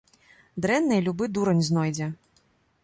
Дрэннае любы дурань знойдзе.